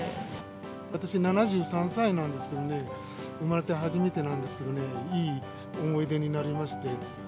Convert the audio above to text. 私、７３歳なんですけどね、生まれて初めてなんですけどね、いい思い出になりまして。